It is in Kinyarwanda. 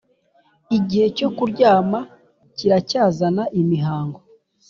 igihe cyo kuryama kiracyazana imihango.